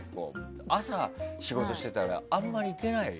朝仕事してたらあんまり行ってない？